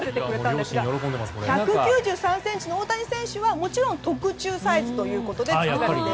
１９３ｃｍの大谷選手はもちろん特注サイズということです。